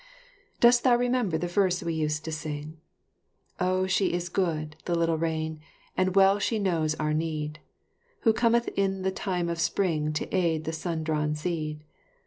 Dost thou remember the verse we used to sing: "Oh she is good, the little rain, and well she knows our need, Who cometh in the time of spring to aid the sun drawn seed.